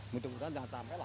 mudah mudahan jangan sampai lah